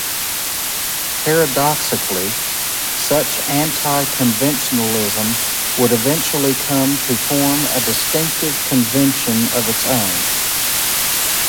Paradoxically, such anti-conventionalism would eventually come to form a distinctive convention of its own.